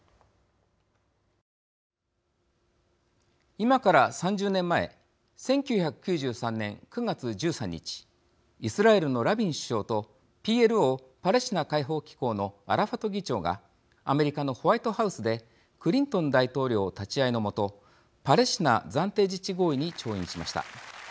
今から３０年前１９９３年９月１３日イスラエルのラビン首相とＰＬＯ＝パレスチナ解放機構のアラファト議長がアメリカのホワイトハウスでクリントン大統領立ち会いのもとパレスチナ暫定自治合意に調印しました。